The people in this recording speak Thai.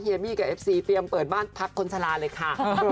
มี่กับเอฟซีเตรียมเปิดบ้านพักคนชะลาเลยค่ะ